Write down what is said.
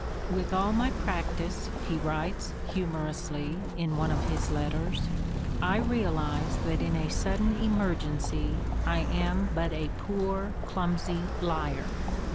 "With all my practice," he writes, humor ously, in one of his letters, "I realize that in a sudden emergency I am but a poor, clumsy liar."